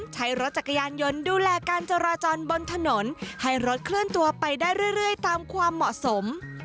ใช้รถจักรยานยนต์ดูแลการจราจรบนถนนให้รถเคลื่อนตัวไปได้เรื่อยตามความเหมาะสม